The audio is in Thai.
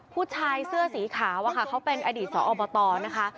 ผู้ชายเสื้อสีขาวเป็นอดีตสอบบตอนะคะ